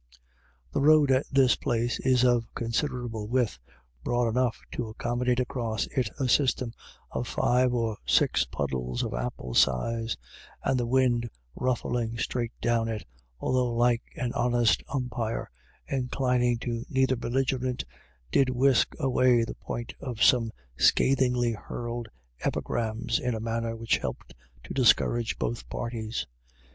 The road at this place is of considerable width, broad enough to accommodate across it a system of five or six puddles of ample size, and the wind ruffling straight down it, although like an honest umpire inclining to neither belligerent, did whisk away the point of some scathingly hurled epigrams, in a manner which helped to discourage both parties.